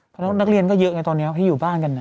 เพราะนักเรียนก็เยอะไงตอนนี้ที่อยู่บ้านกัน